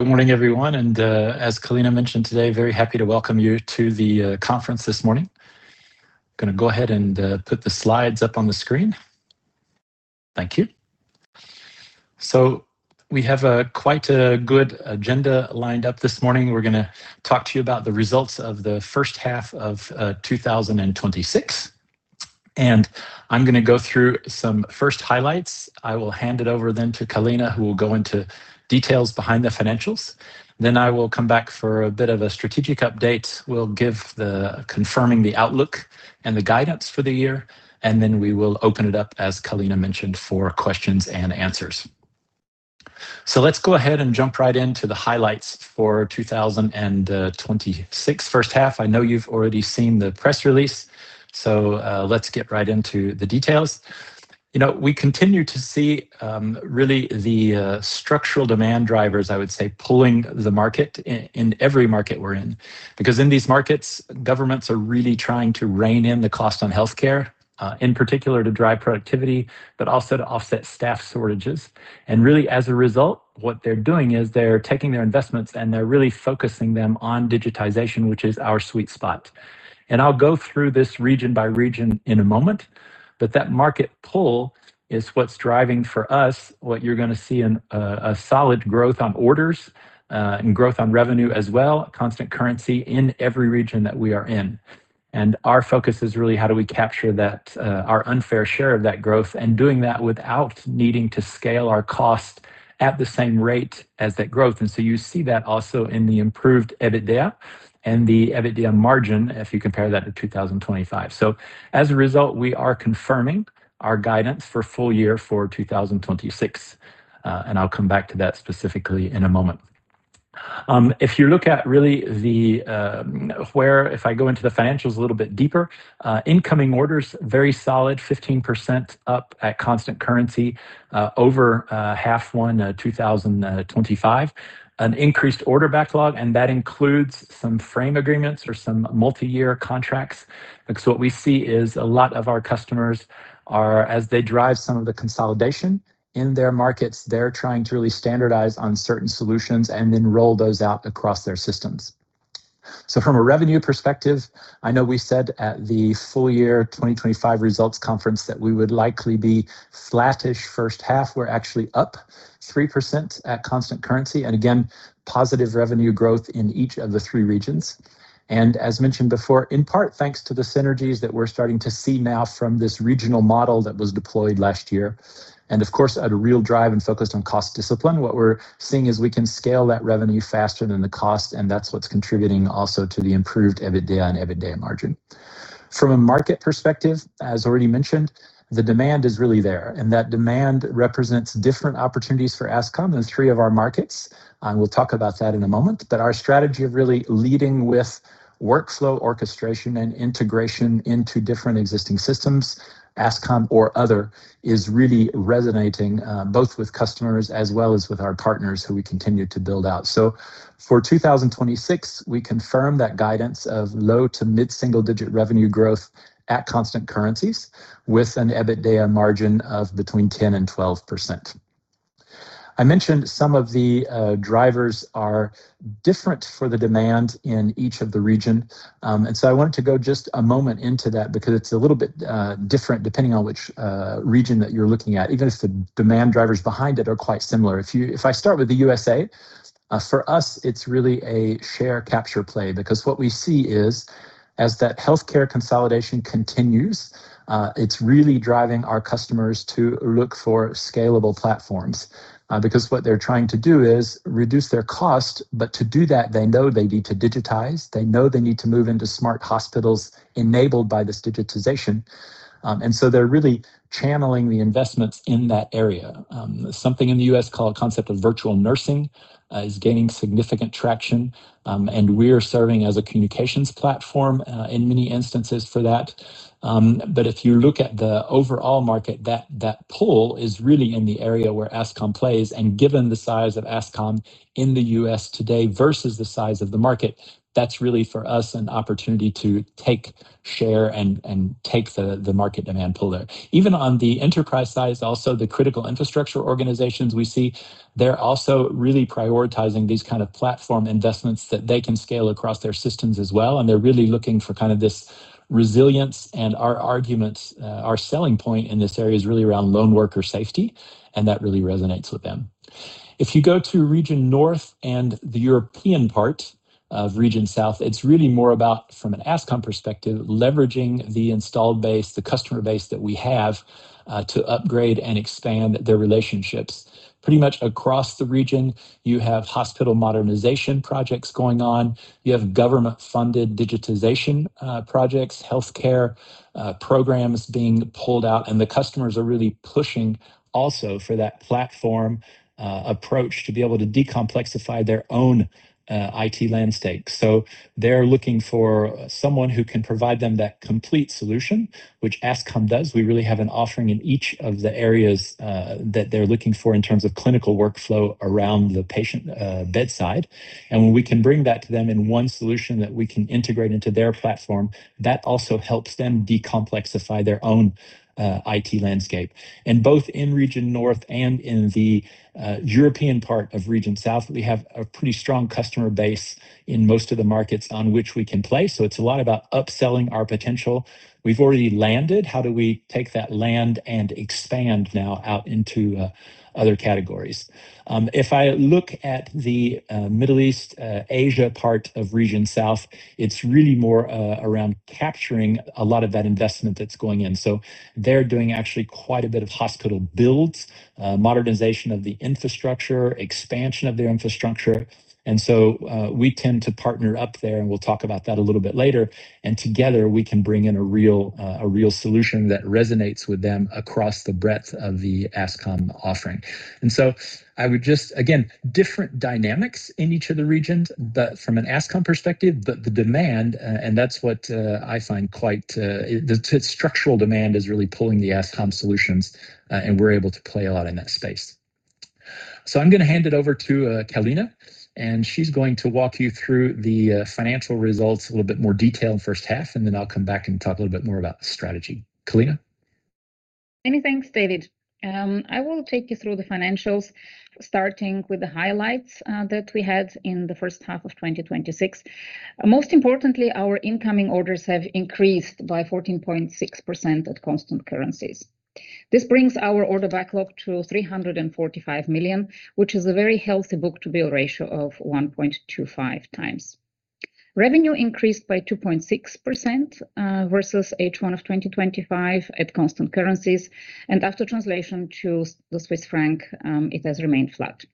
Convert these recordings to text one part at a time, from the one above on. Good morning, everyone. As Kalina mentioned today, very happy to welcome you to the conference this morning. Going to go ahead and put the slides up on the screen. Thank you. We have quite a good agenda lined up this morning. We're going to talk to you about the results of the first half of 2026, and I'm going to go through some first highlights. I will hand it over to Kalina, who will go into details behind the financials. I will come back for a bit of a strategic update. We'll give the confirming the outlook and the guidance for the year, then we will open it up, as Kalina mentioned, for questions and answers. Let's go ahead and jump right into the highlights for 2026 first half. I know you've already seen the press release, let's get right into the details. We continue to see really the structural demand drivers, I would say, pulling the market in every market we're in. In these markets, governments are really trying to rein in the cost on healthcare, in particular to drive productivity, but also to offset staff shortages. Really as a result, what they're doing is they're taking their investments and they're really focusing them on digitization, which is our sweet spot. I'll go through this region by region in a moment. That market pull is what's driving for us, what you're going to see in a solid growth on orders and growth on revenue as well, constant currency in every region that we are in. Our focus is really how do we capture our unfair share of that growth and doing that without needing to scale our cost at the same rate as that growth. You see that also in the improved EBITDA and the EBITDA margin if you compare that to 2025. As a result, we are confirming our guidance for full-year for 2026, and I'll come back to that specifically in a moment. If you look at really the where, if I go into the financials a little bit deeper, incoming orders, very solid, 15% up at constant currency over half one, 2025. An increased order backlog, that includes some frame agreements or some multi-year contracts. What we see is a lot of our customers are, as they drive some of the consolidation in their markets, they're trying to really standardize on certain solutions and then roll those out across their systems. From a revenue perspective, I know we said at the full-year 2025 results conference that we would likely be flattish first half. We're actually up 3% at constant currency, again, positive revenue growth in each of the three regions. As mentioned before, in part thanks to the synergies that we're starting to see now from this regional model that was deployed last year, and of course, at a real drive and focus on cost discipline, what we're seeing is we can scale that revenue faster than the cost, and that's what's contributing also to the improved EBITDA and EBITDA margin. From a market perspective, as already mentioned, the demand is really there, that demand represents different opportunities for Ascom in three of our markets. We'll talk about that in a moment. Our strategy of really leading with workflow orchestration and integration into different existing systems, Ascom or other, is really resonating, both with customers as well as with our partners who we continue to build out. For 2026, we confirm that guidance of low to mid-single digit revenue growth at constant currencies with an EBITDA margin of between 10% and 12%. I mentioned some of the drivers are different for the demand in each of the region. I wanted to go just a moment into that because it is a little bit different depending on which region that you are looking at, even if the demand drivers behind it are quite similar. If I start with the U.S.A., for us, it is really a share capture play because what we see is as that healthcare consolidation continues, it is really driving our customers to look for scalable platforms. What they are trying to do is reduce their cost, but to do that, they know they need to digitize, they know they need to move into smart hospitals enabled by this digitization, and so they are really channeling the investments in that area. Something in the U.S. called concept of virtual nursing is gaining significant traction, and we are serving as a communications platform in many instances for that. If you look at the overall market, that pull is really in the area where Ascom plays, and given the size of Ascom in the U.S. today versus the size of the market, that is really for us an opportunity to take share and take the market demand pull there. Even on the enterprise side, also the critical infrastructure organizations we see, they are also really prioritizing these kind of platform investments that they can scale across their systems as well, and they are really looking for this resilience, and our arguments, our selling point in this area is really around lone worker safety, and that really resonates with them. If you go to Region North and the European part of Region South, it is really more about, from an Ascom perspective, leveraging the installed base, the customer base that we have to upgrade and expand their relationships. Pretty much across the region, you have hospital modernization projects going on, you have government-funded digitization projects, healthcare programs being pulled out, and the customers are really pushing For that platform approach to be able to de-complexify their own IT landscape. They are looking for someone who can provide them that complete solution, which Ascom does. We really have an offering in each of the areas that they are looking for in terms of clinical workflow around the patient bedside. When we can bring that to them in one solution that we can integrate into their platform, that also helps them de-complexify their own IT landscape. Both in Region North and in the European part of Region South, we have a pretty strong customer base in most of the markets on which we can play. It is a lot about upselling our potential. We have already landed, how do we take that land and expand now out into other categories? If I look at the Middle East, Asia part of Region South, it's really more around capturing a lot of that investment that's going in. They're doing actually quite a bit of hospital builds, modernization of the infrastructure, expansion of their infrastructure. We tend to partner up there, and we'll talk about that a little bit later. Together we can bring in a real solution that resonates with them across the breadth of the Ascom offering. I would just, again, different dynamics in each of the regions. From an Ascom perspective, the demand, and that's what I find. The structural demand is really pulling the Ascom solutions, and we're able to play a lot in that space. I'm going to hand it over to Kalina, and she's going to walk you through the financial results a little bit more detail in first half, and then I'll come back and talk a little bit more about strategy. Kalina. Many thanks, David. I will take you through the financials, starting with the highlights that we had in the first half of 2026. Most importantly, our incoming orders have increased by 14.6% at constant currencies. This brings our order backlog to 345 million, which is a very healthy book-to-bill ratio of 1.25x. Revenue increased by 2.6% versus H1 of 2025 at constant currencies, and after translation to the Swiss franc, it has remained flat.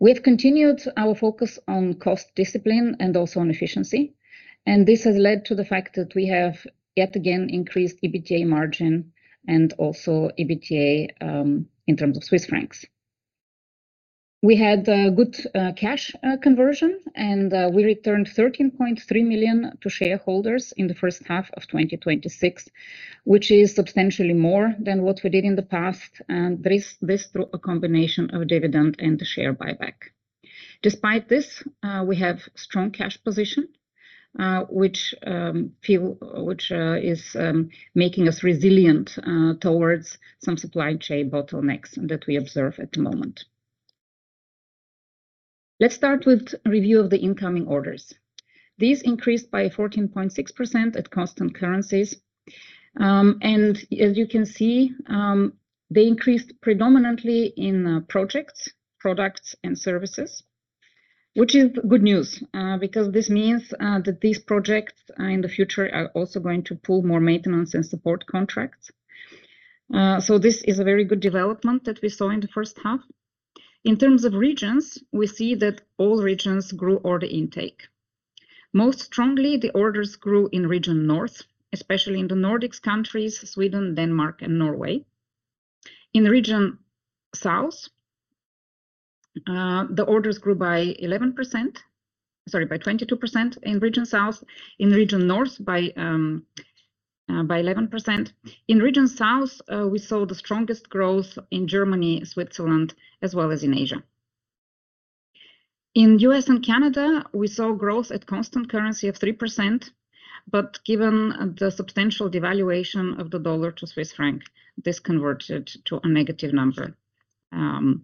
We've continued our focus on cost discipline and also on efficiency. This has led to the fact that we have yet again increased EBITDA margin and also EBITDA in terms of Swiss francs. We had good cash conversion. We returned 13.3 million to shareholders in the first half of 2026, which is substantially more than what we did in the past, and this through a combination of dividend and the share buyback. Despite this, we have strong cash position, which is making us resilient towards some supply chain bottlenecks that we observe at the moment. Let's start with a review of the incoming orders. These increased by 14.6% at constant currencies. As you can see, they increased predominantly in projects, products, and services, which is good news, because this means that these projects in the future are also going to pull more maintenance and support contracts. This is a very good development that we saw in the first half. In terms of regions, we see that all regions grew order intake. Most strongly, the orders grew in Region North, especially in the Nordics countries, Sweden, Denmark, and Norway. In Region South, the orders grew by 11%. Sorry, by 22% in Region South. In Region North, by 11%. In Region South, we saw the strongest growth in Germany, Switzerland, as well as in Asia. In the U.S. and Canada, we saw growth at constant currency of 3%, but given the substantial devaluation of the dollar to CHF, this converted to a negative number in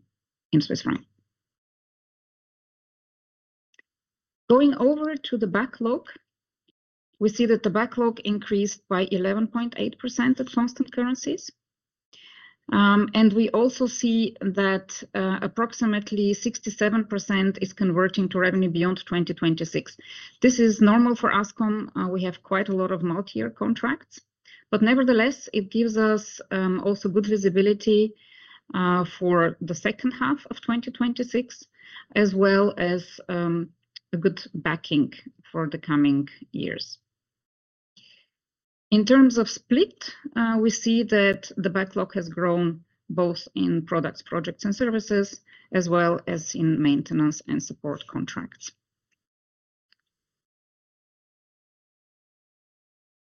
CHF. We see that the backlog increased by 11.8% at constant currencies. We also see that approximately 67% is converting to revenue beyond 2026. This is normal for Ascom. We have quite a lot of multi-year contracts, but nevertheless it gives us also good visibility for the second half of 2026, as well as a good backing for the coming years. In terms of split, we see that the backlog has grown both in products, projects, and services, as well as in maintenance and support contracts.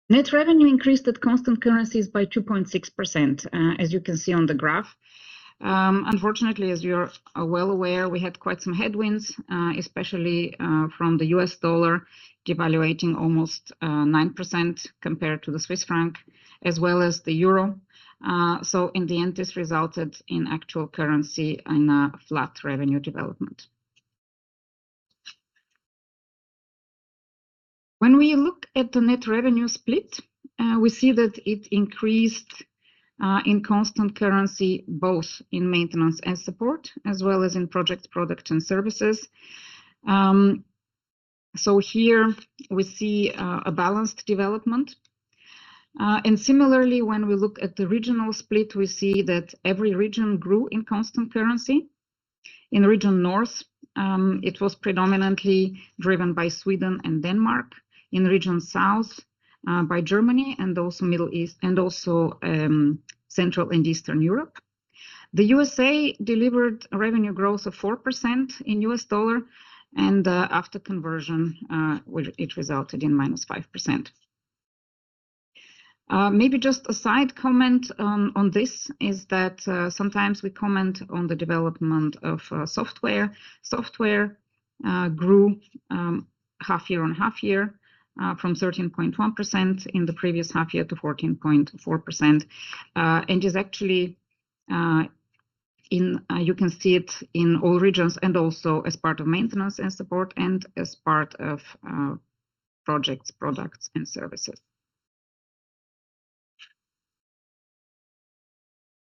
Net revenue increased at constant currencies by 2.6%, as you can see on the graph. Unfortunately, as you are well aware, we had quite some headwinds, especially from the US dollar devaluating almost 9% compared to the CHF as well as the EUR. In the end, this resulted in actual currency in a flat revenue development. When we look at the net revenue split, we see that it increased, in constant currency, both in maintenance and support, as well as in project, product, and services. Here we see a balanced development. Similarly, when we look at the regional split, we see that every region grew in constant currency. In the region North, it was predominantly driven by Sweden and Denmark. In the region South, by Germany, and also Central and Eastern Europe. The U.S.A. delivered a revenue growth of 4% in US dollar, and after conversion, it resulted in -5%. Maybe just a side comment on this is that sometimes we comment on the development of software. Software grew half year on half year from 13.1% in the previous half year to 14.4%, and you can see it in all regions and also as part of maintenance and support, and as part of projects, products and services.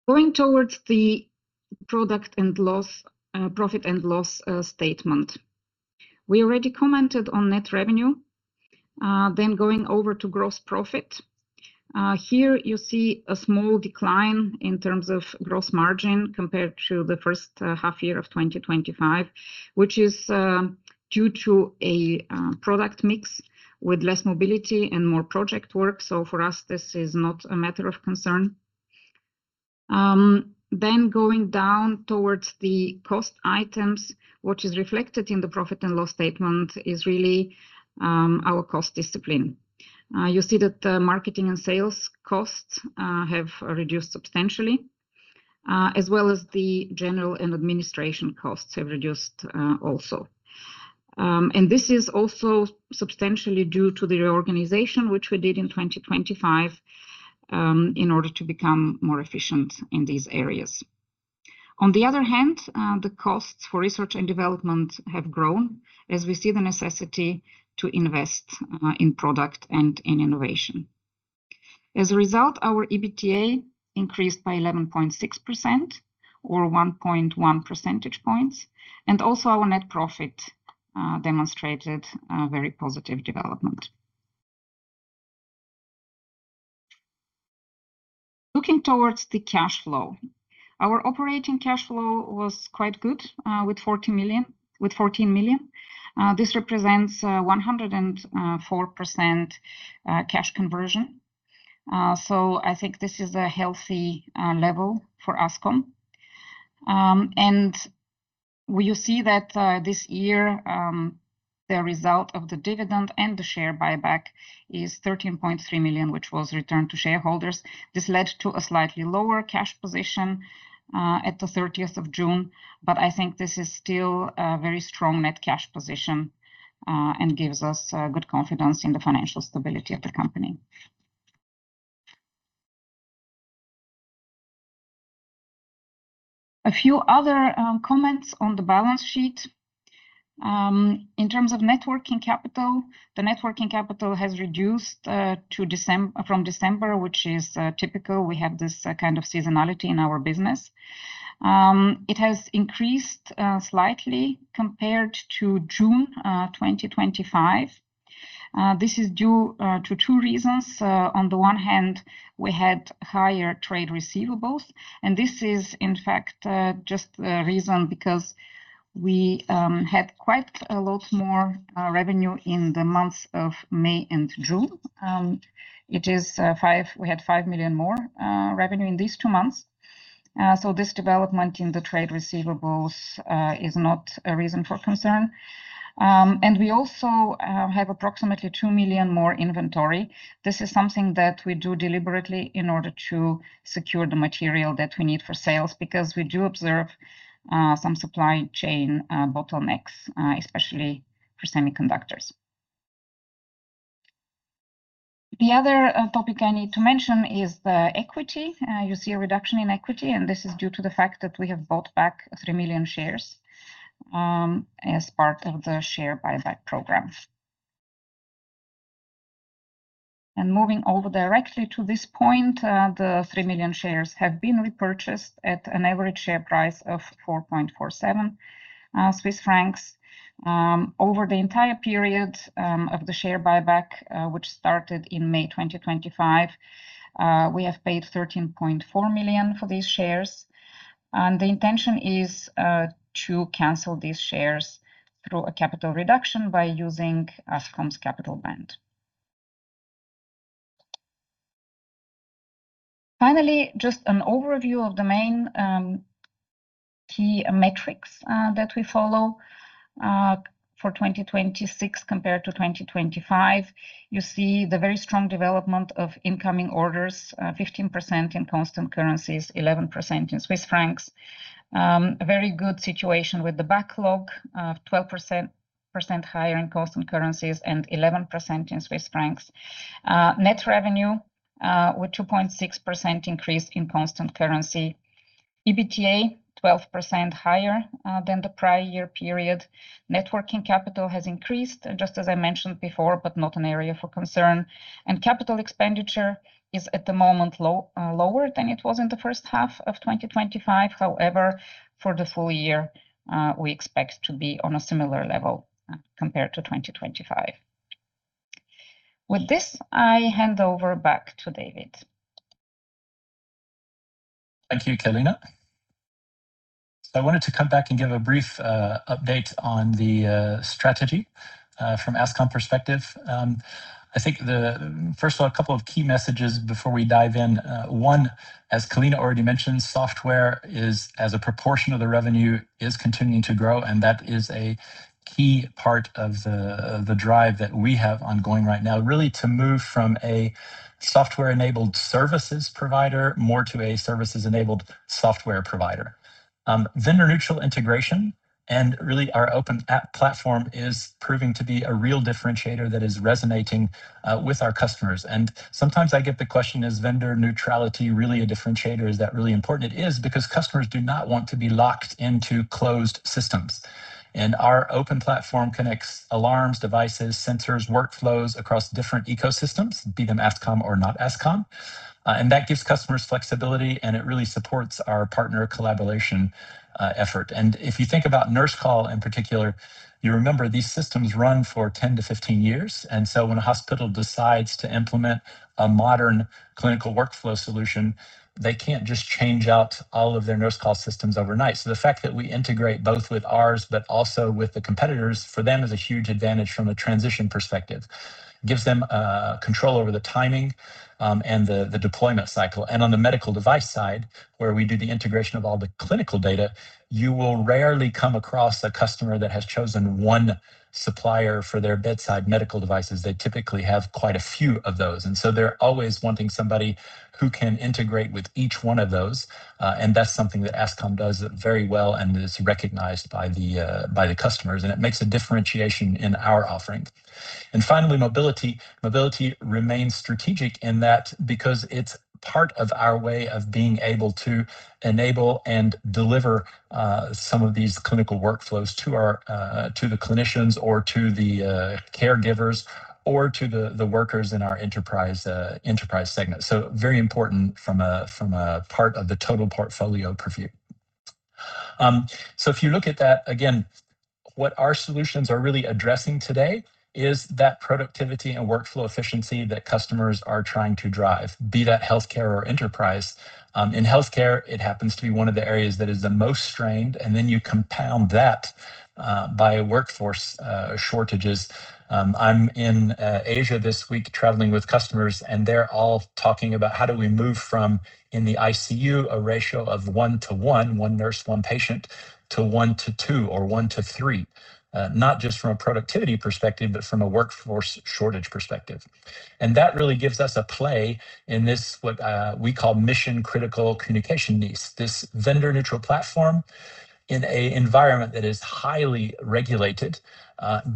Going towards the profit and loss statement. We already commented on net revenue. Going over to gross profit. Here you see a small decline in terms of gross margin compared to the first half year of 2025, which is due to a product mix with less mobility and more project work. For us, this is not a matter of concern. Going down towards the cost items, which is reflected in the profit and loss statement, is really our cost discipline. You see that the marketing and sales costs have reduced substantially, as well as the general and administration costs have reduced also. This is also substantially due to the reorganization which we did in 2025, in order to become more efficient in these areas. On the other hand, the costs for research and development have grown as we see the necessity to invest in product and in innovation. As a result, our EBITDA increased by 11.6% or 1.1 percentage points, and also our net profit demonstrated a very positive development. Looking towards the cash flow. Our operating cash flow was quite good, with 14 million. This represents 104% cash conversion. I think this is a healthy level for Ascom. You see that this year, the result of the dividend and the share buyback is 13.3 million, which was returned to shareholders. This led to a slightly lower cash position at the 30th of June. But I think this is still a very strong net cash position, and gives us good confidence in the financial stability of the company. A few other comments on the balance sheet. In terms of net working capital, the net working capital has reduced from December, which is typical. We have this kind of seasonality in our business. It has increased slightly compared to June 2025. This is due to two reasons. On the one hand, we had higher trade receivables, and this is in fact just a reason because we had quite a lot more revenue in the months of May and June. We had 5 million more revenue in these two months. This development in the trade receivables is not a reason for concern. And we also have approximately 2 million more inventory. This is something that we do deliberately in order to secure the material that we need for sales, because we do observe some supply chain bottlenecks, especially for semiconductors. The other topic I need to mention is the equity. You see a reduction in equity, and this is due to the fact that we have bought back three million shares as part of the share buyback program. Moving over directly to this point, the three million shares have been repurchased at an average share price of 4.47 Swiss francs. Over the entire period of the share buyback, which started in May 2025, we have paid 13.4 million for these shares. And the intention is to cancel these shares through a capital reduction by using Ascom's capital band. Just an overview of the main key metrics that we follow for 2026 compared to 2025. You see the very strong development of incoming orders, 15% in constant currencies, 11% in Swiss francs. A very good situation with the backlog, 12% higher in constant currencies and 11% in Swiss francs. Net revenue with 2.6% increase in constant currency. EBITDA 12% higher than the prior year period. Net working capital has increased, just as I mentioned before, but not an area for concern. And capital expenditure is at the moment lower than it was in the first half of 2025. However, for the full-year, we expect to be on a similar level compared to 2025. I hand over back to David. Thank you, Kalina. I wanted to come back and give a brief update on the strategy from Ascom perspective. I think first of all, a couple of key messages before we dive in. One, as Kalina already mentioned, software as a proportion of the revenue is continuing to grow, and that is a key part of the drive that we have ongoing right now, really to move from a software-enabled services provider more to a services-enabled software provider. Vendor-neutral integration and really our open app platform is proving to be a real differentiator that is resonating with our customers. And sometimes I get the question, is vendor neutrality really a differentiator? Is that really important? It is, because customers do not want to be locked into closed systems. Our open platform connects alarms, devices, sensors, workflows across different ecosystems, be them Ascom or not Ascom. That gives customers flexibility, and it really supports our partner collaboration effort. If you think about nurse call in particular, you remember these systems run for 10-15 years. When a hospital decides to implement a modern clinical workflow solution, they can't just change out all of their nurse call systems overnight. The fact that we integrate both with ours, but also with the competitors, for them is a huge advantage from a transition perspective. It gives them control over the timing and the deployment cycle. On the medical device side, where we do the integration of all the clinical data, you will rarely come across a customer that has chosen one supplier for their bedside medical devices. They typically have quite a few of those. They're always wanting somebody who can integrate with each one of those. That's something that Ascom does very well and is recognized by the customers, and it makes a differentiation in our offering. Finally, mobility. Mobility remains strategic in that because it's part of our way of being able to enable and deliver some of these clinical workflows to the clinicians or to the caregivers or to the workers in our enterprise segment. Very important from a part of the total portfolio purview. If you look at that, again, what our solutions are really addressing today is that productivity and workflow efficiency that customers are trying to drive, be that healthcare or enterprise. In healthcare, it happens to be one of the areas that is the most strained, and then you compound that by workforce shortages. I'm in Asia this week traveling with customers, and they're all talking about how do we move from, in the ICU, a ratio of one to one nurse, one patient, to one to two or one to three, not just from a productivity perspective, but from a workforce shortage perspective. That really gives us a play in this, what we call mission-critical communication niche. This vendor-neutral platform in an environment that is highly regulated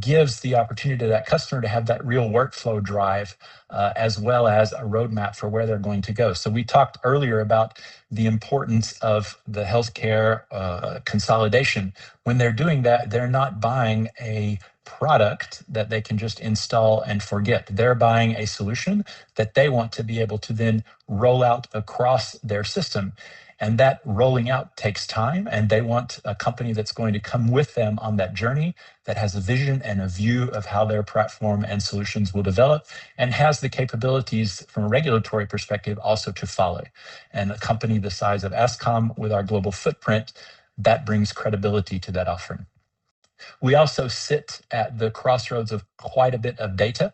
gives the opportunity to that customer to have that real workflow drive, as well as a roadmap for where they're going to go. We talked earlier about the importance of the healthcare consolidation. When they're doing that, they're not buying a product that they can just install and forget. They're buying a solution that they want to be able to then roll out across their system, and that rolling out takes time, and they want a company that's going to come with them on that journey, that has a vision and a view of how their platform and solutions will develop and has the capabilities from a regulatory perspective also to follow. A company the size of Ascom with our global footprint, that brings credibility to that offering. We also sit at the crossroads of quite a bit of data,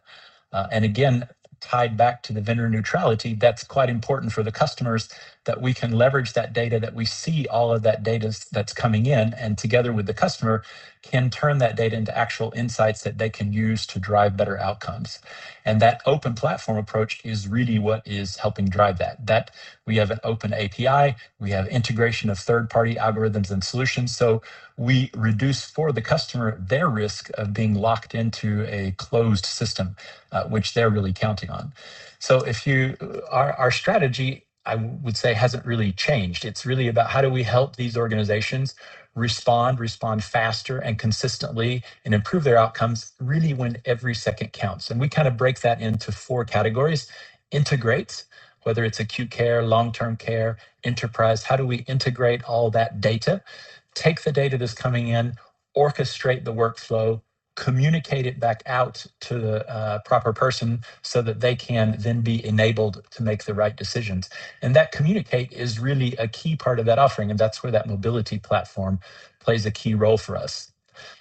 and again, tied back to the vendor neutrality, that's quite important for the customers that we can leverage that data, that we see all of that data that's coming in, and together with the customer, can turn that data into actual insights that they can use to drive better outcomes. That open platform approach is really what is helping drive that. We have an open API, we have integration of third-party algorithms and solutions. We reduce for the customer their risk of being locked into a closed system, which they're really counting on. Our strategy, I would say, hasn't really changed. It's really about how do we help these organizations respond faster and consistently, and improve their outcomes really when every second counts. We kind of break that into four categories. Integrate, whether it's acute care, long-term care, enterprise, how do we integrate all that data? Take the data that's coming in, orchestrate the workflow, communicate it back out to the proper person so that they can then be enabled to make the right decisions. That communicate is really a key part of that offering, and that's where that mobility platform plays a key role for us.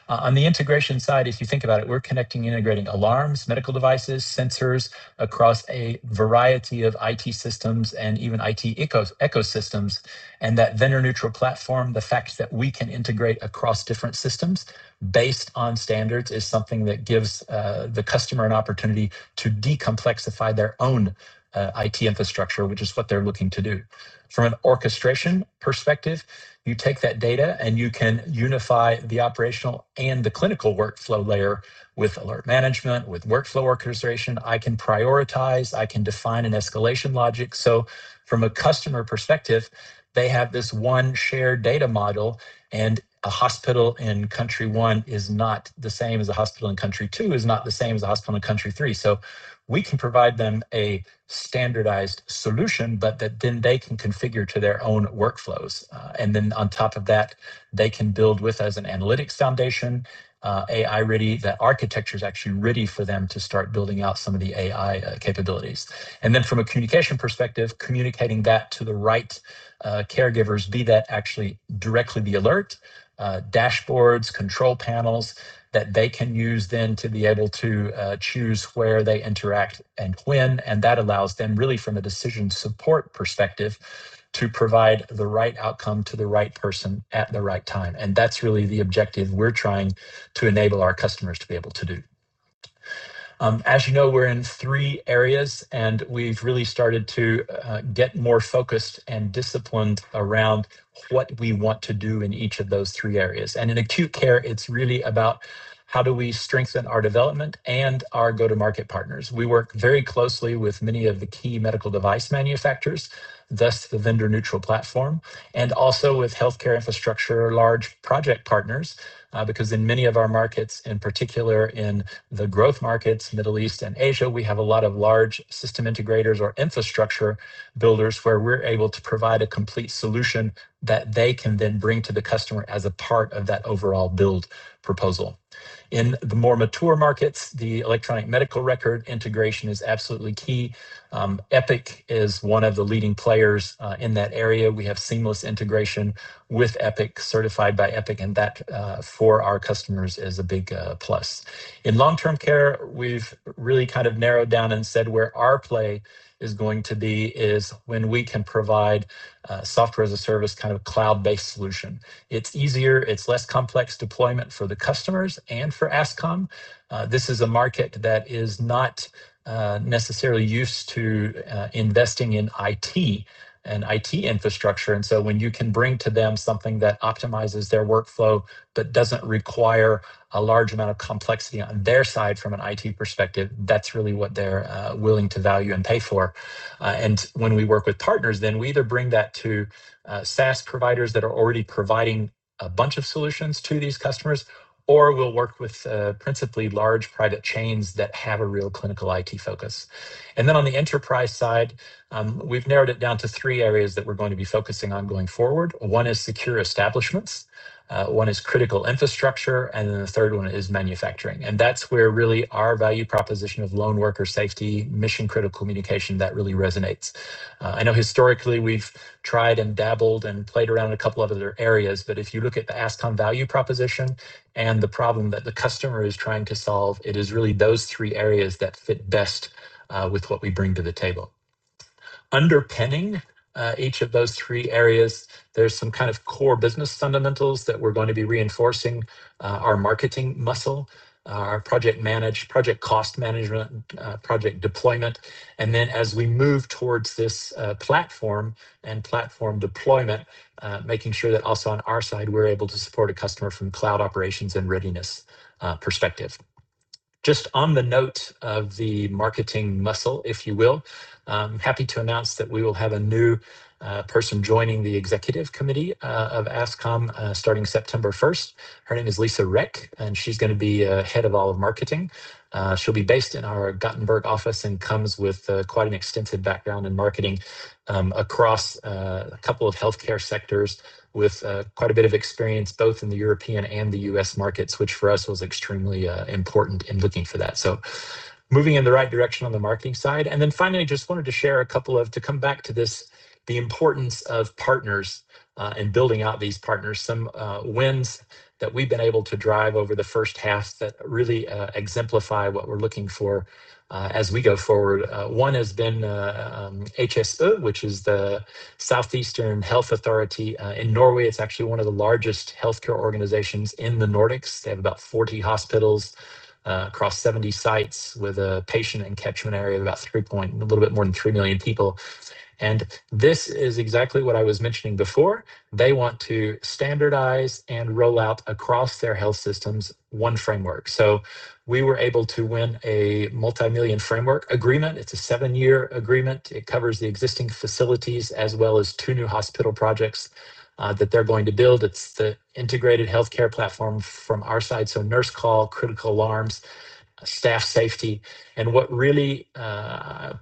On the integration side, if you think about it, we're connecting, integrating alarms, medical devices, sensors across a variety of IT systems and even IT ecosystems. That vendor-neutral platform, the fact that we can integrate across different systems based on standards, is something that gives the customer an opportunity to decomplexify their own IT infrastructure, which is what they're looking to do. From an orchestration perspective, you take that data, and you can unify the operational and the clinical workflow layer with alert management, with workflow orchestration. I can prioritize. I can define an escalation logic. From a customer perspective, they have this one shared data model, and a hospital in country one is not the same as a hospital in country two, is not the same as a hospital in country three. We can provide them a standardized solution, but that then they can configure to their own workflows. Then on top of that, they can build with us an analytics foundation, AI ready, that architecture's actually ready for them to start building out some of the AI capabilities. Then from a communication perspective, communicating that to the right caregivers, be that actually directly the alert, dashboards, control panels that they can use then to be able to choose where they interact and when, and that allows them really from a decision support perspective to provide the right outcome to the right person at the right time. That's really the objective we're trying to enable our customers to be able to do. As you know, we're in three areas, and we've really started to get more focused and disciplined around what we want to do in each of those three areas. In acute care, it's really about how do we strengthen our development and our go-to-market partners. We work very closely with many of the key medical device manufacturers, thus the vendor-neutral platform, and also with healthcare infrastructure, large project partners, because in many of our markets, in particular in the growth markets, Middle East and Asia, we have a lot of large system integrators or infrastructure builders where we're able to provide a complete solution that they can then bring to the customer as a part of that overall build proposal. In the more mature markets, the electronic medical record integration is absolutely key. Epic is one of the leading players in that area. We have seamless integration with Epic, certified by Epic, and that for our customers is a big plus. In long-term care, we've really kind of narrowed down and said where our play is going to be is when we can provide software as a service, kind of a cloud-based solution. It's easier, it's less complex deployment for the customers and for Ascom. This is a market that is not necessarily used to investing in IT and IT infrastructure, and so when you can bring to them something that optimizes their workflow that doesn't require a large amount of complexity on their side from an IT perspective, that's really what they're willing to value and pay for. When we work with partners, then we either bring that to SaaS providers that are already providing a bunch of solutions to these customers, or we'll work with principally large private chains that have a real clinical IT focus. On the enterprise side, we've narrowed it down to three areas that we're going to be focusing on going forward. One is secure establishments, one is critical infrastructure, and then the third one is manufacturing. That's where really our value proposition of lone worker safety, mission-critical communication, that really resonates. I know historically we've tried and dabbled and played around in a couple of other areas, but if you look at the Ascom value proposition and the problem that the customer is trying to solve, it is really those three areas that fit best with what we bring to the table. Underpinning each of those three areas, there's some kind of core business fundamentals that we're going to be reinforcing, our marketing muscle, our project cost management, project deployment, and then as we move towards this platform and platform deployment, making sure that also on our side, we're able to support a customer from cloud operations and readiness perspective. Just on the note of the marketing muscle, if you will, I'm happy to announce that we will have a new person joining the executive committee of Ascom, starting September 1st. Her name is Lisa Reck, and she's going to be Head of all of marketing. She'll be based in our Gothenburg office and comes with quite an extensive background in marketing across a couple of healthcare sectors with quite a bit of experience, both in the European and the U.S. markets, which for us was extremely important in looking for that. Moving in the right direction on the marketing side. Finally, just wanted to share a couple of, to come back to this, the importance of partners and building out these partners, some wins that we've been able to drive over the first half that really exemplify what we're looking for as we go forward. One has been HSE, which is the Southeastern Health Authority in Norway. It's actually one of the largest healthcare organizations in the Nordics. They have about 40 hospitals across 70 sites with a patient and catchment area of a little bit more than three million people. This is exactly what I was mentioning before. They want to standardize and roll out across their health systems one framework. So we were able to win a multimillion framework agreement. It's a seven-year agreement. It covers the existing facilities as well as two new hospital projects that they're going to build. It's the integrated healthcare platform from our side, so nurse call, critical alarms, staff safety. What really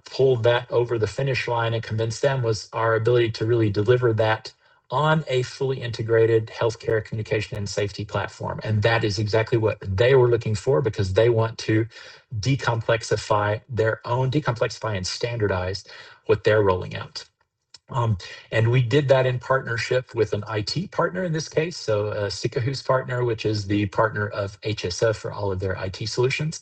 pulled that over the finish line and convinced them was our ability to really deliver that on a fully integrated healthcare communication and safety platform. That is exactly what they were looking for because they want to de-complexify and standardize what they're rolling out. We did that in partnership with an IT partner in this case, so a Sykehuspartner, which is the partner of Helse Sør-Øst RHF for all of their IT solutions.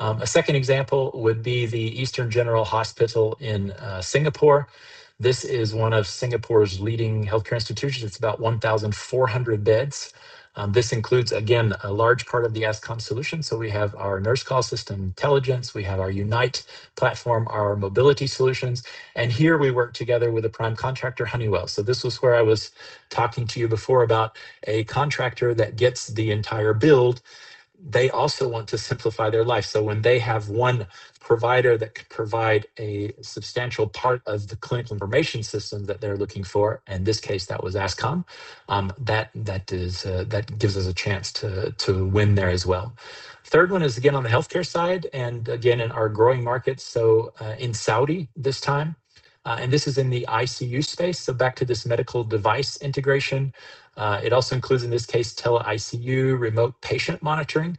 A second example would be the Eastern General Hospital in Singapore. This is one of Singapore's leading healthcare institutions. It's about 1,400 beds. This includes, again, a large part of the Ascom solution. We have our nurse call system intelligence, we have our Unite platform, our mobility solutions, and here we work together with a prime contractor, Honeywell. This was where I was talking to you before about a contractor that gets the entire build They also want to simplify their life. When they have one provider that can provide a substantial part of the clinical information system that they're looking for, in this case, that was Ascom, that gives us a chance to win there as well. Third one is, again, on the healthcare side, and again, in our growing markets, so in Saudi this time. This is in the ICU space, so back to this medical device integration. It also includes, in this case, tele-ICU remote patient monitoring.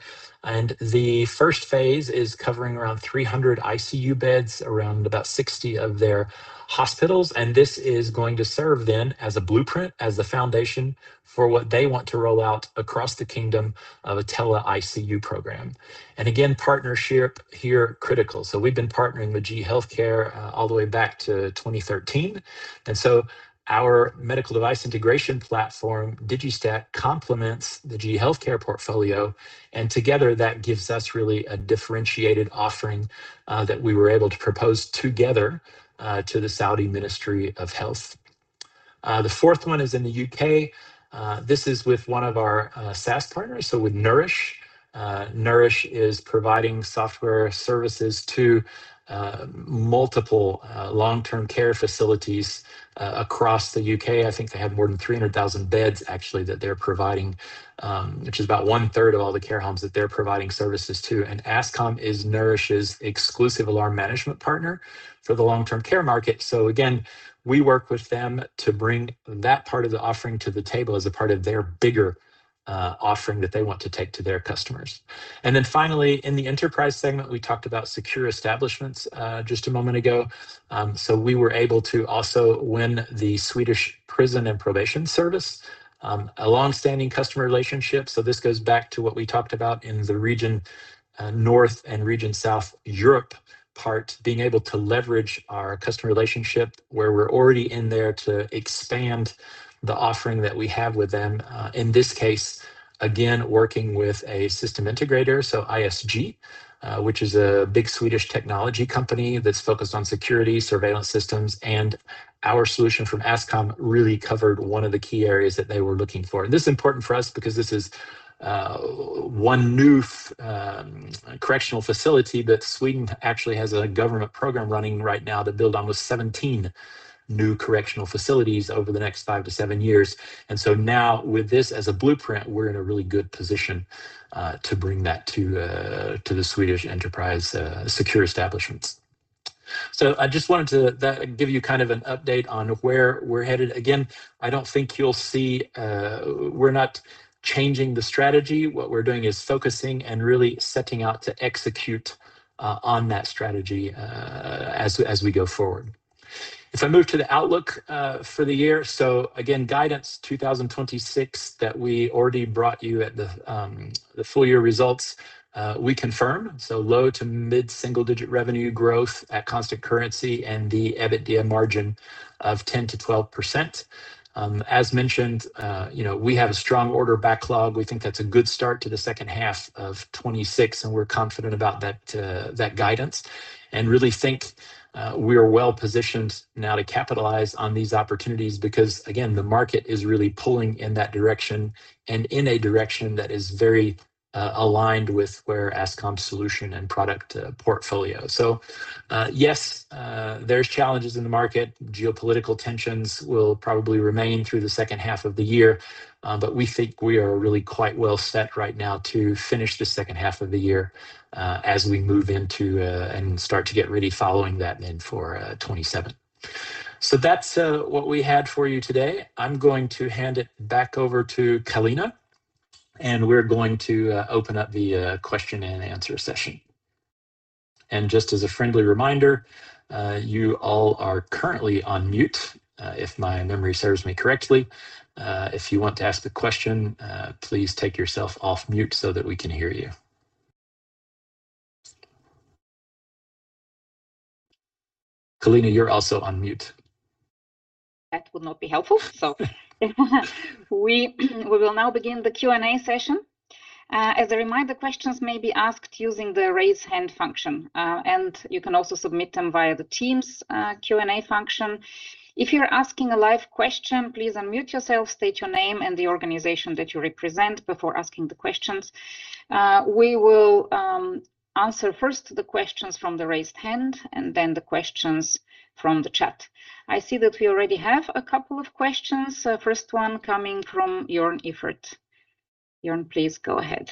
The first phase is covering around 300 ICU beds, around about 60 of their hospitals. This is going to serve then as a blueprint, as the foundation for what they want to roll out across the kingdom of a tele-ICU program. Again, partnership here critical. We've been partnering with GE HealthCare all the way back to 2013. Our medical device integration platform, Digistat, complements the GE HealthCare portfolio. Together, that gives us really a differentiated offering that we were able to propose together to the Saudi Ministry of Health. The fourth one is in the U.K. This is with one of our SaaS partners, so with Nourish. Nourish is providing software services to multiple long-term care facilities across the U.K. I think they have more than 300,000 beds actually that they're providing, which is about one-third of all the care homes that they're providing services to. Ascom is Nourish's exclusive alarm management partner for the long-term care market. Again, we work with them to bring that part of the offering to the table as a part of their bigger offering that they want to take to their customers. Then finally, in the enterprise segment, we talked about secure establishments just a moment ago. We were able to also win the Swedish Prison and Probation Service, a long-standing customer relationship. This goes back to what we talked about in the Region North and Region South Europe part, being able to leverage our customer relationship where we're already in there to expand the offering that we have with them. In this case, again, working with a system integrator, so ISG, which is a big Swedish technology company that's focused on security surveillance systems. Our solution from Ascom really covered one of the key areas that they were looking for. This is important for us because this is one new correctional facility, but Sweden actually has a government program running right now to build almost 17 new correctional facilities over the next five to seven years. Now, with this as a blueprint, we're in a really good position to bring that to the Swedish enterprise secure establishments. I just wanted to give you an update on where we're headed. Again, I don't think you'll see, we're not changing the strategy. What we're doing is focusing and really setting out to execute on that strategy as we go forward. If I move to the outlook for the year, guidance 2026 that we already brought you at the full-year results, we confirm. Low to mid-single digit revenue growth at constant currency and the EBITDA margin of 10%-12%. As mentioned, we have a strong order backlog. We think that's a good start to the second half of 2026, and we're confident about that guidance and really think we are well positioned now to capitalize on these opportunities because, again, the market is really pulling in that direction and in a direction that is very aligned with where Ascom's solution and product portfolio. Yes, there's challenges in the market. Geopolitical tensions will probably remain through the second half of the year. We think we are really quite well set right now to finish the second half of the year as we move into and start to get ready following that then for 2027. That's what we had for you today. I'm going to hand it back over to Kalina, and we're going to open up the question and answer session. Just as a friendly reminder, you all are currently on mute, if my memory serves me correctly. If you want to ask a question, please take yourself off mute so that we can hear you. Kalina, you're also on mute. That would not be helpful. We will now begin the Q&A session. As a reminder, questions may be asked using the raise hand function, and you can also submit them via the Teams Q&A function. If you're asking a live question, please unmute yourself, state your name and the organization that you represent before asking the questions. We will answer first the questions from the raised hand and then the questions from the chat. I see that we already have a couple of questions. First one coming from Joern Iffert. Joern, please go ahead.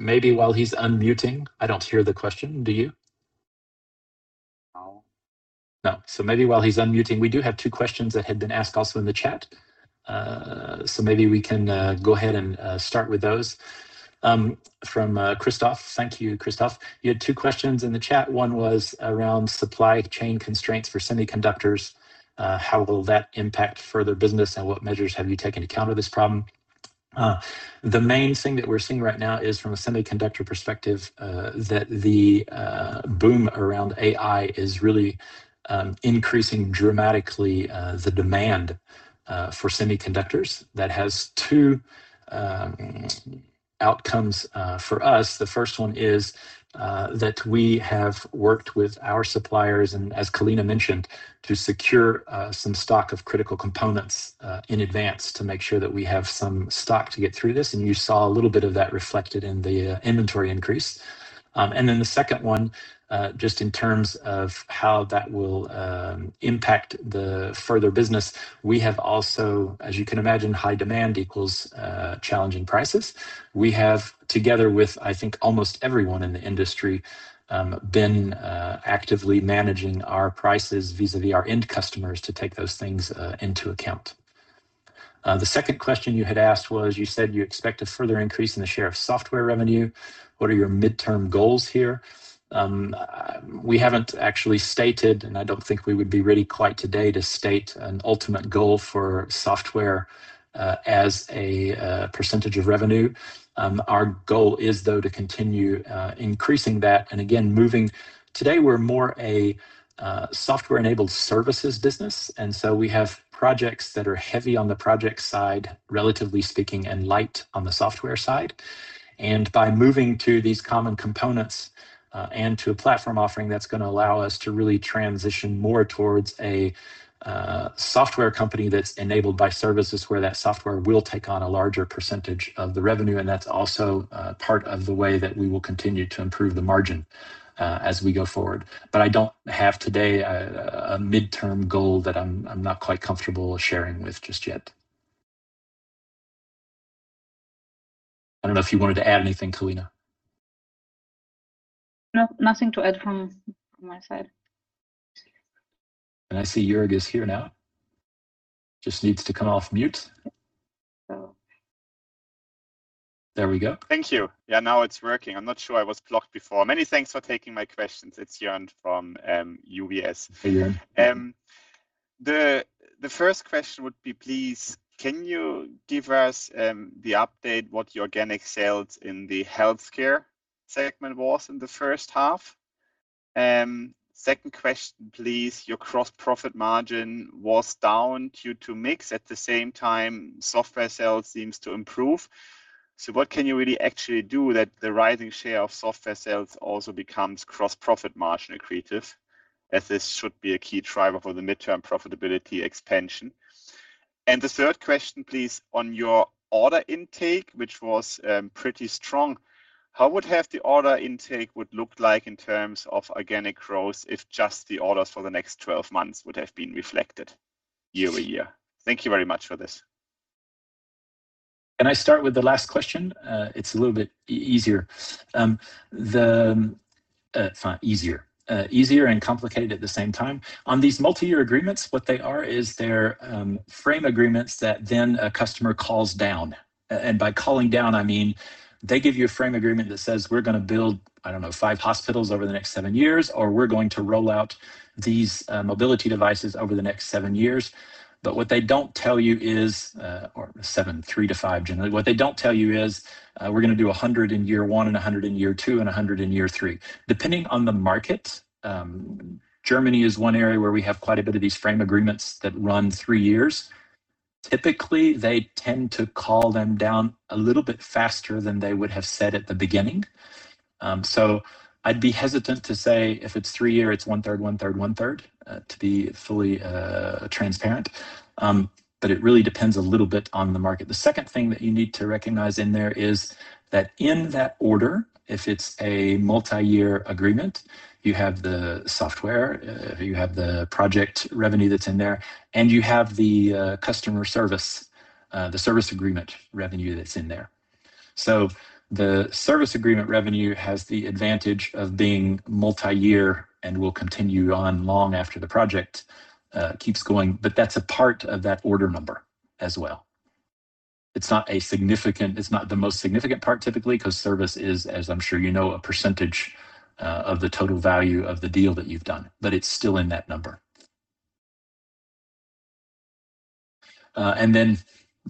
Maybe while he's unmuting. I don't hear the question. Do you? No. No. Maybe while he's unmuting, we do have two questions that had been asked also in the chat. Maybe we can go ahead and start with those. From Christophe. Thank you, Christophe. You had two questions in the chat. One was around supply chain constraints for semiconductors. How will that impact further business, and what measures have you taken to counter this problem? The main thing that we're seeing right now is from a semiconductor perspective, that the boom around AI is really increasing dramatically the demand for semiconductors. That has two outcomes for us. The first one is that we have worked with our suppliers, and as Kalina mentioned, to secure some stock of critical components in advance to make sure that we have some stock to get through this, and you saw a little bit of that reflected in the inventory increase. Then the second one, just in terms of how that will impact the further business, we have also, as you can imagine, high demand equals challenging prices. We have, together with, I think, almost everyone in the industry, been actively managing our prices vis-a-vis our end customers to take those things into account. The second question you had asked was, you said you expect a further increase in the share of software revenue. What are your midterm goals here? We haven't actually stated, and I don't think we would be ready quite today to state an ultimate goal for software as a percentage of revenue. Our goal is though to continue increasing that and again, moving Today, we're more a software-enabled services business, we have projects that are heavy on the project side, relatively speaking, and light on the software side. By moving to these common components, and to a platform offering, that's going to allow us to really transition more towards a software company that's enabled by services where that software will take on a larger percentage of the revenue. That's also part of the way that we will continue to improve the margin as we go forward. I don't have today a midterm goal that I'm not quite comfortable sharing just yet. I don't know if you wanted to add anything, Kalina. No, nothing to add from my side. I see Joern is here now. Just needs to come off mute. So. There we go. Thank you. Yeah, now it's working. I'm not sure I was blocked before. Many thanks for taking my questions. It's Joern from UBS. Hey, Joern. The first question would be, please can you give us the update what your organic sales in the healthcare segment was in the first half? Second question, please. Your gross profit margin was down due to mix. At the same time, software sales seems to improve. What can you really actually do that the rising share of software sales also becomes gross profit margin accretive, as this should be a key driver for the midterm profitability expansion. The third question, please, on your order intake, which was pretty strong, how would have the order intake would look like in terms of organic growth if just the orders for the next 12 months would have been reflected year-over-year? Thank you very much for this. Can I start with the last question? It's a little bit easier. It's not easier. Easier and complicated at the same time. On these multi-year agreements, what they are is they're frame agreements that a customer calls down. By calling down, I mean they give you a frame agreement that says, We're going to build, I don't know, five hospitals over the next seven years, or, We're going to roll out these mobility devices over the next seven years. What they don't tell you is, or seven, three to five, generally. What they don't tell you is, We're going to do 100 in year one and 100 in year two and 100 in year three. Depending on the market, Germany is one area where we have quite a bit of these frame agreements that run three years. Typically, they tend to call them down a little bit faster than they would have said at the beginning. I'd be hesitant to say if it's three-year, it's one-third, one-third, one-third to be fully transparent. It really depends a little bit on the market. The second thing that you need to recognize in there is that in that order, if it's a multi-year agreement, you have the software, you have the project revenue that's in there, and you have the customer service, the service agreement revenue that's in there. The service agreement revenue has the advantage of being multi-year and will continue on long after the project keeps going. That's a part of that order number as well. It's not the most significant part typically, because service is, as I'm sure you know, a percentage of the total value of the deal that you've done, but it's still in that number.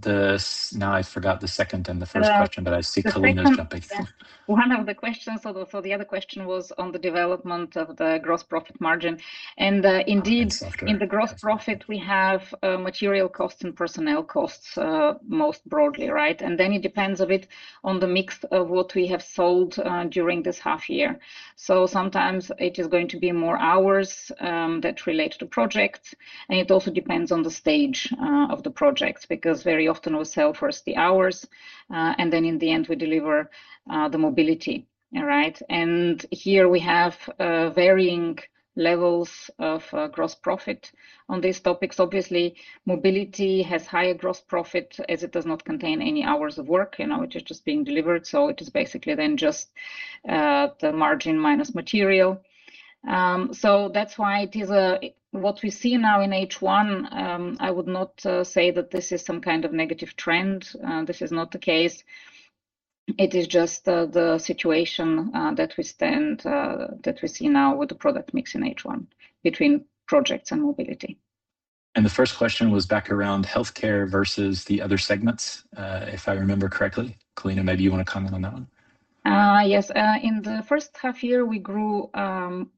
Now I forgot the second and the first question, but I see Kalina's jumping in. One of the questions, so the other question was on the development of the gross profit margin. Software In the gross profit, we have material costs and personnel costs, most broadly, right? It depends a bit on the mix of what we have sold during this half year. Sometimes it is going to be more hours that relate to projects, and it also depends on the stage of the project, because very often we sell first the hours, and then in the end, we deliver the mobility. Right? Here we have varying levels of gross profit on these topics. Obviously, mobility has higher gross profit as it does not contain any hours of work. It is just being delivered. It is basically then just the margin minus material. That's why what we see now in H1, I would not say that this is some kind of negative trend. This is not the case. It is just the situation that we see now with the product mix in H1 between projects and mobility. The first question was back around healthcare versus the other segments, if I remember correctly. Kalina, maybe you want to comment on that one? Yes. In the first half year, we grew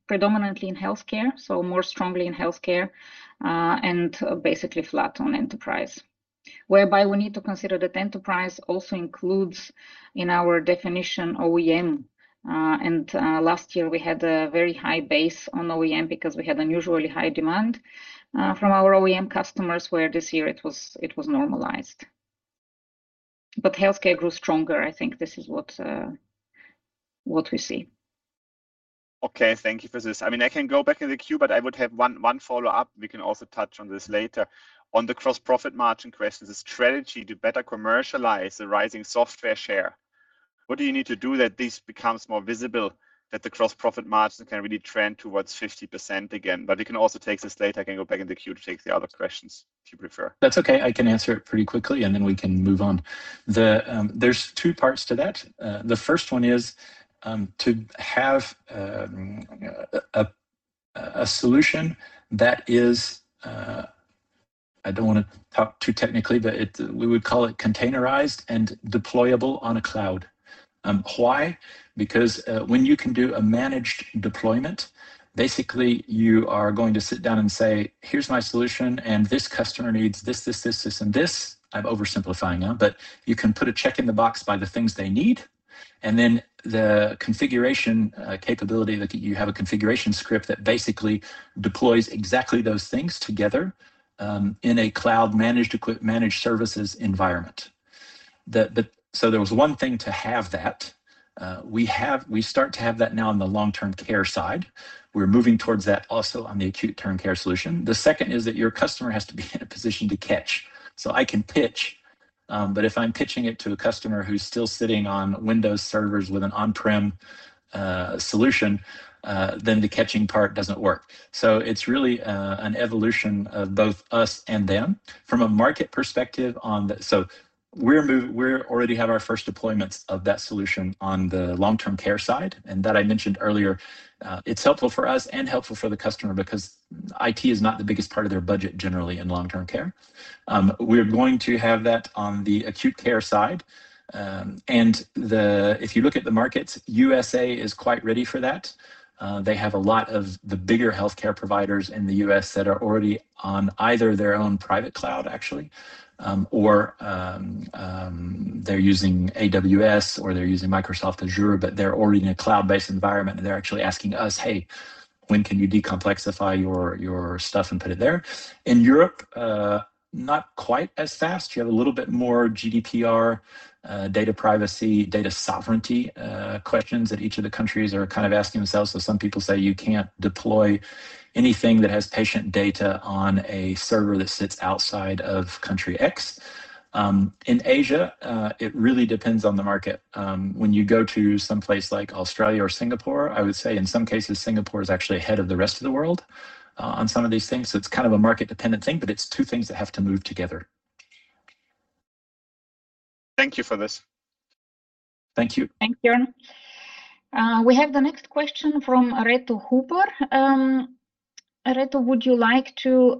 predominantly in healthcare, so more strongly in healthcare, and basically flat on enterprise. Whereby we need to consider that enterprise also includes, in our definition, OEM. Last year we had a very high base on OEM because we had unusually high demand from our OEM customers, where this year it was normalized. Healthcare grew stronger. I think this is what we see. Okay. Thank you for this. I can go back in the queue, I would have one follow-up. We can also touch on this later. On the gross profit margin question, the strategy to better commercialize the rising software share. What do you need to do that this becomes more visible, that the gross profit margin can really trend towards 50% again? You can also take this later. I can go back in the queue to take the other questions, if you prefer. That's okay. I can answer it pretty quickly, and then we can move on. There's two parts to that. The first one is to have a solution that is, I don't want to talk too technically, but we would call it containerized and deployable on a cloud. Why? When you can do a managed deployment, basically you are going to sit down and say, Here's my solution, and this customer needs this, this, and this. I'm oversimplifying now, but you can put a check in the box by the things they need, and then the configuration capability that you have a configuration script that basically deploys exactly those things together in a cloud-managed services environment. There was one thing to have that. We start to have that now on the long-term care side. We're moving towards that also on the acute-term care solution. The second is that your customer has to be in a position to catch. I can pitch, but if I'm pitching it to a customer who's still sitting on Windows servers with an on-prem solution, then the catching part doesn't work. It's really an evolution of both us and them. From a market perspective, we already have our first deployments of that solution on the long-term care side, and that I mentioned earlier. It's helpful for us and helpful for the customer because IT is not the biggest part of their budget generally in long-term care. We're going to have that on the acute care side. If you look at the markets, U.S.A. is quite ready for that. They have a lot of the bigger healthcare providers in the U.S. that are already on either their own private cloud, actually, or they're using AWS, or they're using Microsoft Azure, they're already in a cloud-based environment, and they're actually asking us, Hey, when can you decomplexify your stuff and put it there? In Europe, not quite as fast. You have a little bit more GDPR, data privacy, data sovereignty questions that each of the countries are kind of asking themselves, some people say you can't deploy anything that has patient data on a server that sits outside of country X. In Asia, it really depends on the market. When you go to someplace like Australia or Singapore, I would say in some cases, Singapore is actually ahead of the rest of the world on some of these things. It's kind of a market-dependent thing, but it's two things that have to move together. Thank you for this. Thank you. Thanks, Joern. We have the next question from Reto Huber. Reto, would you like to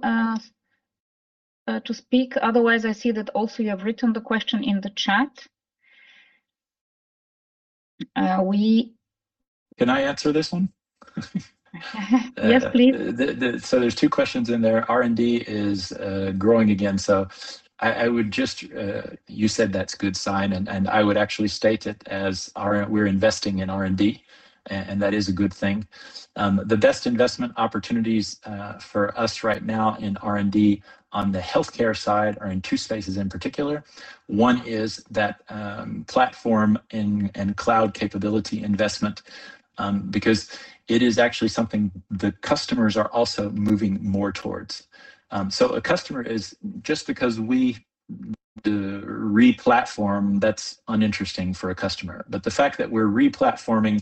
speak? Otherwise, I see that also you have written the question in the chat. Can I answer this one? Yes, please. There's two questions in there. R&D is growing again. You said that's a good sign, and I would actually state it as we're investing in R&D, and that is a good thing. The best investment opportunities for us right now in R&D on the healthcare side are in two spaces in particular. One is that platform and cloud capability investment, because it is actually something the customers are also moving more towards. Just because we re-platform, that's uninteresting for a customer. The fact that we're re-platforming,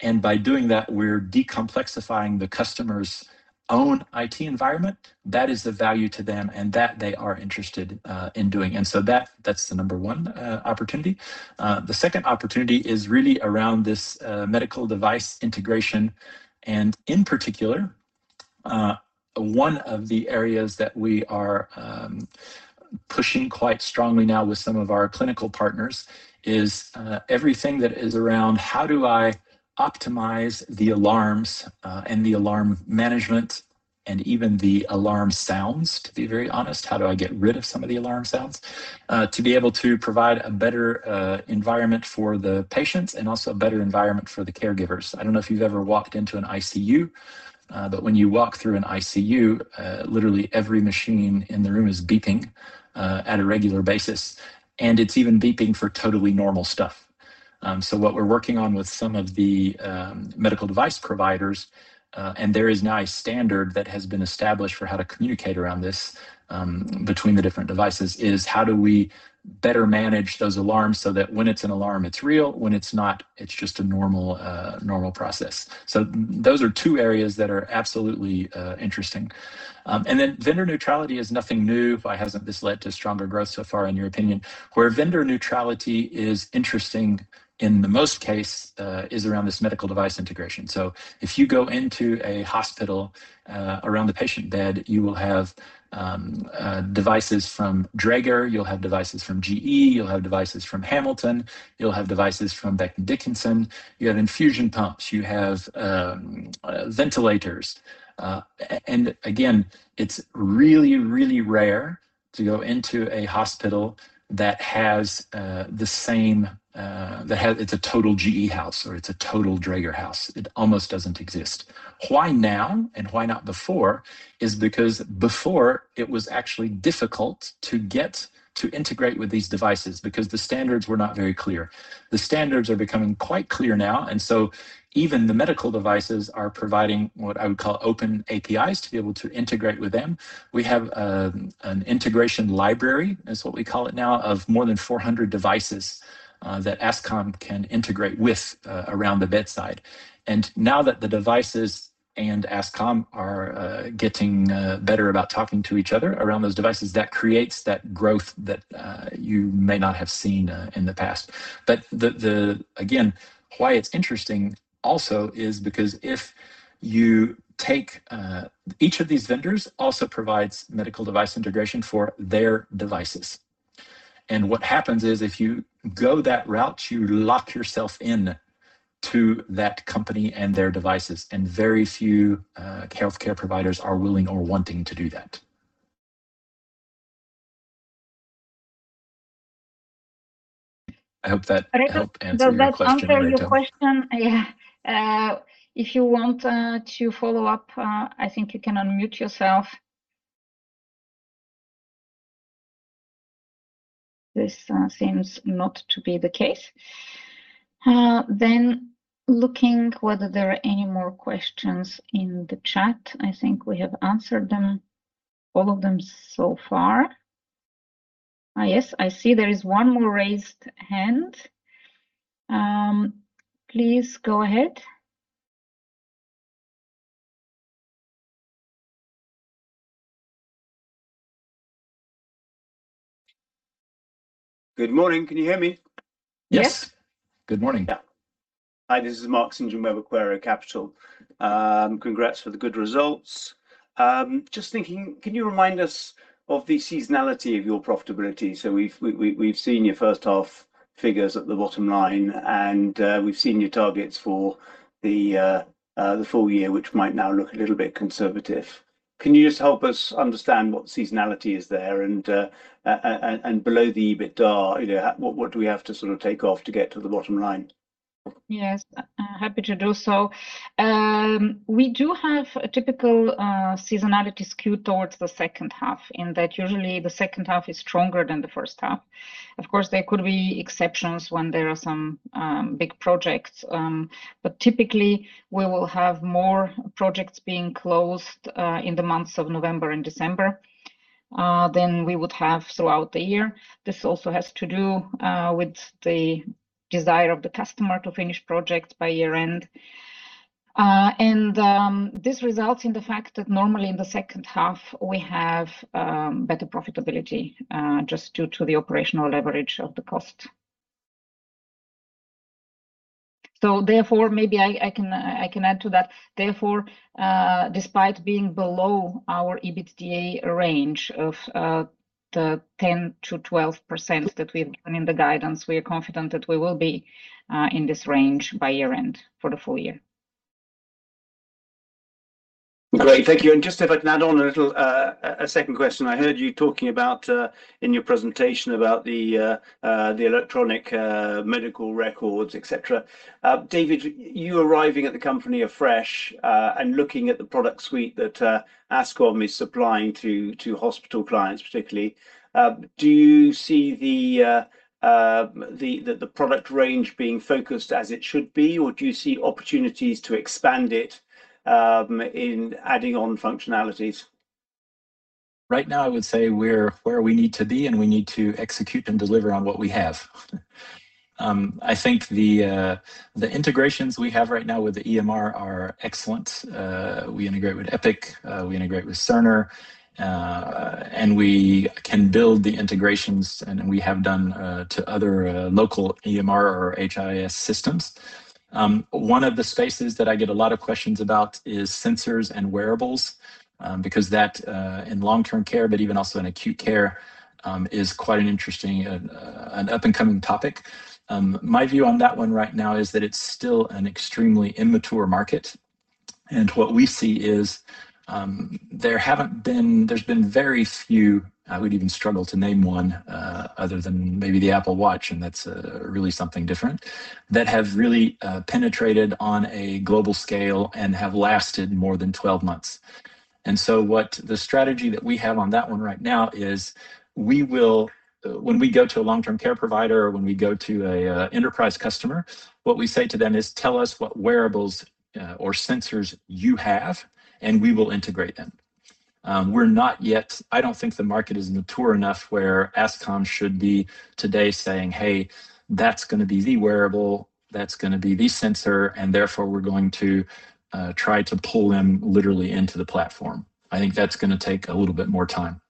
and by doing that, we're decomplexifying the customer's own IT environment, that is the value to them and that they are interested in doing. That's the number one opportunity. The second opportunity is really around this medical device integration and, in particular, one of the areas that we are pushing quite strongly now with some of our clinical partners is everything that is around how do I optimize the alarms, and the alarm management, and even the alarm sounds, to be very honest. How do I get rid of some of the alarm sounds to be able to provide a better environment for the patients and also a better environment for the caregivers? I don't know if you've ever walked into an ICU, when you walk through an ICU, literally every machine in the room is beeping on a regular basis, and it's even beeping for totally normal stuff. What we're working on with some of the medical device providers, and there is now a standard that has been established for how to communicate around this between the different devices, is how do we better manage those alarms so that when it's an alarm, it's real. When it's not, it's just a normal process. Those are two areas that are absolutely interesting. Vendor neutrality is nothing new. Why hasn't this led to stronger growth so far, in your opinion? Where vendor neutrality is interesting in most case is around this medical device integration. If you go into a hospital around the patient bed, you will have devices from Dräger, you'll have devices from GE you'll have devices from Hamilton you'll have devices from Becton Dickinson. You have infusion pumps. You have ventilators. Again, it's really, really rare to go into a hospital that it's a total GE house, or it's a total Dräger house. It almost doesn't exist. Why now and why not before is because before, it was actually difficult to get to integrate with these devices because the standards were not very clear. The standards are becoming quite clear now, even the medical devices are providing what I would call open APIs to be able to integrate with them. We have an integration library, is what we call it now, of more than 400 devices that Ascom can integrate with around the bedside. Now that the devices and Ascom are getting better about talking to each other around those devices, that creates that growth that you may not have seen in the past. Why it's interesting also is because each of these vendors also provides medical device integration for their devices. What happens is if you go that route, you lock yourself in to that company and their devices, and very few healthcare providers are willing or wanting to do that. I hope that helped answer your question, Reto. Does that answer your question? If you want to follow up, I think you can unmute yourself. This seems not to be the case. Looking whether there are any more questions in the chat. I think we have answered all of them so far. Yes, I see there is one more raised hand. Please go ahead. Good morning. Can you hear me? Yes. Yes. Good morning. Yeah. Hi, this is uncertain. Congrats for the good results. Just thinking, can you remind us of the seasonality of your profitability? We've seen your first half figures at the bottom line, and we've seen your targets for the full-year, which might now look a little bit conservative. Can you just help us understand what seasonality is there, and below the EBITDA, what do we have to take off to get to the bottom line? Yes, happy to do so. We do have a typical seasonality skew towards the second half, in that usually the second half is stronger than the first half. Of course, there could be exceptions when there are some big projects. Typically, we will have more projects being closed in the months of November and December than we would have throughout the year. This also has to do with the desire of the customer to finish projects by year-end. This results in the fact that normally in the second half, we have better profitability, just due to the operational leverage of the cost. Therefore, maybe I can add to that, therefore, despite being below our EBITDA range of the 10%-12% that we've given in the guidance, we are confident that we will be in this range by year-end for the full-year. Great. Thank you. Just if I can add on a second question. I heard you talking in your presentation about the electronic medical records, et cetera. David, you arriving at the company afresh, and looking at the product suite that Ascom is supplying to hospital clients particularly, do you see the product range being focused as it should be, or do you see opportunities to expand it in adding on functionalities? Right now, I would say we're where we need to be, and we need to execute and deliver on what we have. I think the integrations we have right now with the EMR are excellent. We integrate with Epic, we integrate with Cerner, and we can build the integrations, and we have done to other local EMR or HIS systems. One of the spaces that I get a lot of questions about is sensors and wearables, because that, in long-term care, but even also in acute care, is quite an interesting, up-and-coming topic. My view on that one right now is that it's still an extremely immature market. What we see is there's been very few, I would even struggle to name one, other than maybe the Apple Watch, and that's really something different, that have really penetrated on a global scale and have lasted more than 12 months. The strategy that we have on that one right now is when we go to a long-term care provider or when we go to an enterprise customer, what we say to them is, Tell us what wearables or sensors you have, and we will integrate them. I don't think the market is mature enough where Ascom should be today saying, Hey, that's going to be the wearable, that's going to be the sensor, and therefore we're going to try to pull them literally into the platform. I think that's going to take a little bit more time.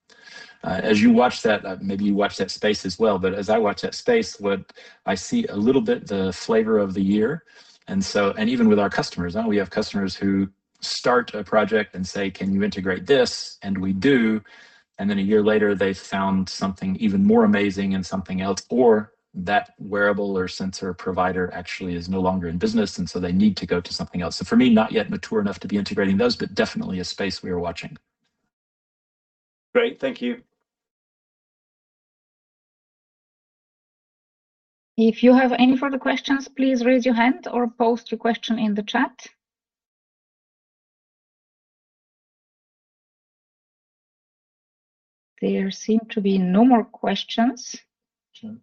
As you watch that, maybe you watch that space as well, but as I watch that space, what I see a little bit the flavor of the year. Even with our customers. We have customers who start a project and say, Can you integrate this? We do, a year later, they've found something even more amazing and something else, or that wearable or sensor provider actually is no longer in business, they need to go to something else. For me, not yet mature enough to be integrating those, but definitely a space we are watching. Great. Thank you. If you have any further questions, please raise your hand or post your question in the chat. There seem to be no more questions. Sure.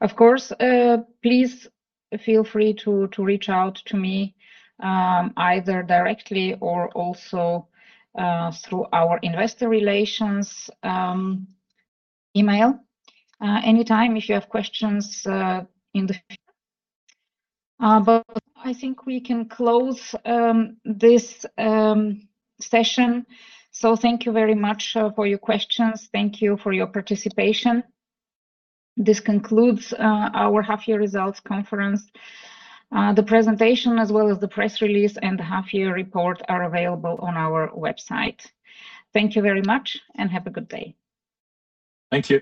Of course, please feel free to reach out to me, either directly or also through our investor relations email anytime if you have questions in the future. I think we can close this session. Thank you very much for your questions. Thank you for your participation. This concludes our half-year results conference. The presentation as well as the press release and the half-year report are available on our website. Thank you very much, and have a good day. Thank you.